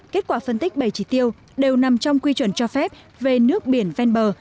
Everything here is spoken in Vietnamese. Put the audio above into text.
kết quả phân tích bảy chỉ tiêu đều nằm trong quy chuẩn cho phép về nước biển ven bờ